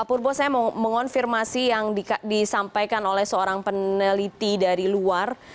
pak purbo saya mau mengonfirmasi yang disampaikan oleh seorang peneliti dari luar